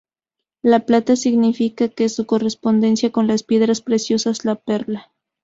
La plata significa en su correspondencia con las piedras preciosas la perla.